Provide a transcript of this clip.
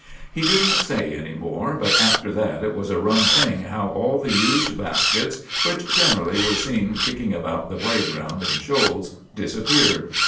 He didn't say any more, but after that it was a rum thing how all the used baskets, which generally were seen kicking about the playground in shoals, disappeared.